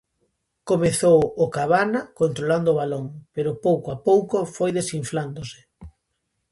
Comezou o Cabana controlando o balón, pero pouco a pouco foi desinflándose.